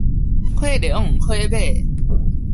火龍火馬